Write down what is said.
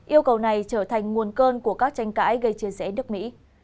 yêu cầu này trở thành nguồn cơn của các tranh cãi gây chia rẽ nước mỹ